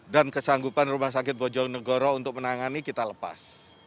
kesanggupan rumah sakit bojonegoro untuk menangani kita lepas